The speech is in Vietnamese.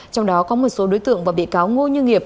trong đó có một số đối tượng và bị cáo ngô như nghiệp